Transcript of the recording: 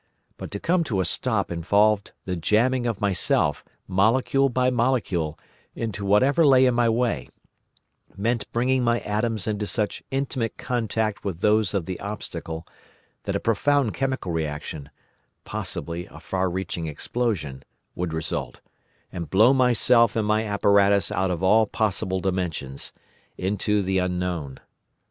But to come to a stop involved the jamming of myself, molecule by molecule, into whatever lay in my way; meant bringing my atoms into such intimate contact with those of the obstacle that a profound chemical reaction—possibly a far reaching explosion—would result, and blow myself and my apparatus out of all possible dimensions—into the Unknown.